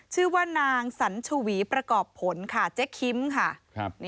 ชื่อว่านางสัญชวีประกอบผลค่ะเจ๊คิมค่ะ